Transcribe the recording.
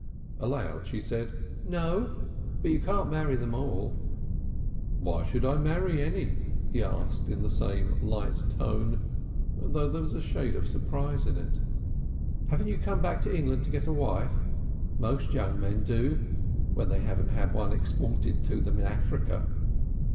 Aloud she said, "No? But you can't marry them all." "Why should I marry any?" he asked in the same light tone, though there was a shade of surprise in it. "Haven't you come back to England to get a wife? Most young men do, when they don't have one exported to them in Africa."